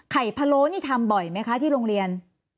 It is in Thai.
พะโล้นี่ทำบ่อยไหมคะที่โรงเรียน